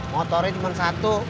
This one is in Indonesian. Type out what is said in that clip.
motornya cuma satu